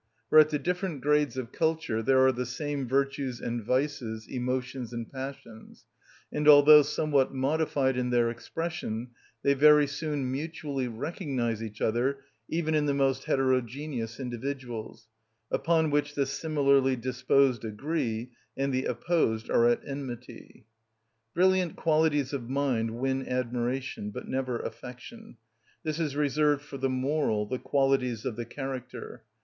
For at the different grades of culture there are the same virtues and vices, emotions and passions; and although somewhat modified in their expression, they very soon mutually recognise each other even in the most heterogeneous individuals, upon which the similarly disposed agree and the opposed are at enmity. Brilliant qualities of mind win admiration, but never affection; this is reserved for the moral, the qualities of the character.